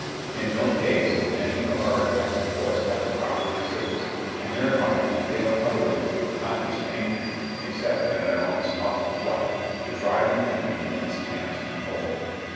In no case did any of our attacking force have the proper reserves, and thereby we failed utterly to accomplish anything except at an enormous cost of life, to drive the enemy from his camps and hold them.